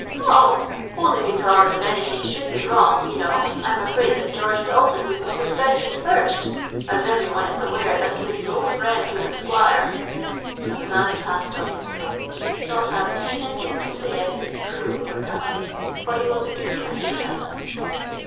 —'Oh! only because if any thing should be wrong, you know, I am afraid that George Dalton would be suspected first; as every one is aware that he is no friend to the Squire;'—and the man passed on his way, not having intended to say any thing cruel or cutting, for he was a good kind of a fellow.